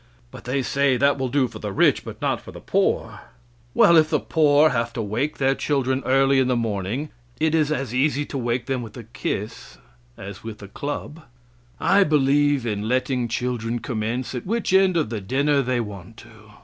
But they say that will do for the rich, but not for the poor. Well, if the poor have to wake their children early in the morning, it is as easy to wake them with a kiss as with a club. I believe in letting children commence at which end of the dinner they want to.